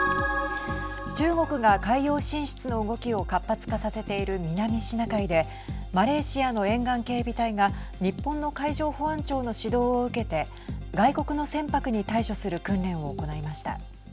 中国が海洋進出の動きを活発化させている南シナ海でマレーシアの沿岸警備隊が日本の海上保安庁の指導を受けて外国の船舶に対処する訓練を行いました。